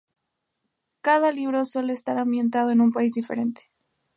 Cada libro suele estar ambientado en un país diferente.